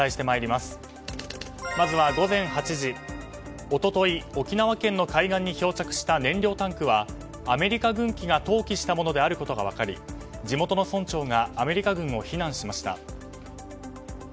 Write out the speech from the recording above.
まずは午前８時一昨日、沖縄県の海岸に漂着した燃料タンクはアメリカ軍機が投棄したものであることが分かり地元の村長がアメリカ軍を非難しました。